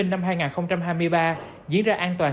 năm hai nghìn hai mươi ba diễn ra an toàn